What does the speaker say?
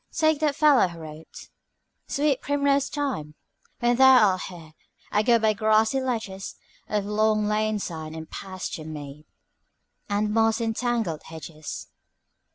Take that fellow who wrote "'Sweet primrose time! When thou art here I go by grassy ledges Of long lane side, and pasture mead, And moss entangled hedges.'